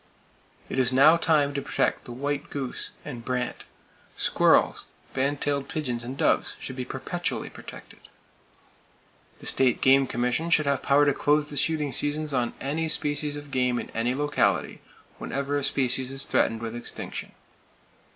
It is now time to protect the white goose and brant. Squirrels, band tailed pigeons and doves should be perpetually protected. The State Game Commission should have power to close the shooting seasons on any species of game in any locality, whenever a species is threatened with extinction.